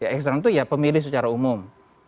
eksternal itu ya pemilih secara umum